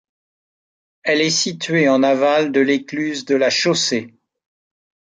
Elle est située en aval de l’écluse de la Chaussée.